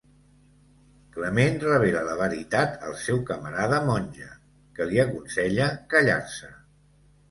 Clement revela la veritat al seu camarada Monge, que li aconsella callar-se.